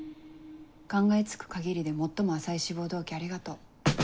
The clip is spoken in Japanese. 考えつく限りで最も浅い志望動機ありがとう。